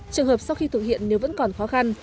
trường hợp sau khi thực hiện nếu vẫn còn khó khăn